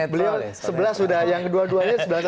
beliau sebelah sudah yang dua duanya